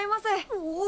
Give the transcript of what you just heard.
おお！